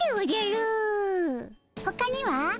ほかには？